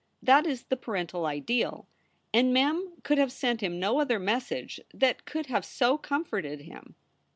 That is the parental ideal, and Mem could have sent him no other mes sage that could have so comforted him.